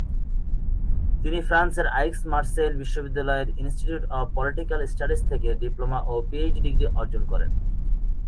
তিনি ফ্রান্সের আইক্স-মার্সেইল বিশ্ববিদ্যালয়ের ইনস্টিটিউট অব পলিটিকাল স্টাডিজ থেকে ডিপ্লোমা ও পিএইচডি ডিগ্রি অর্জন করেন।